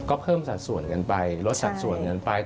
ก็เพิ่มสัดส่วนกันไปลดสัดส่วนกันไป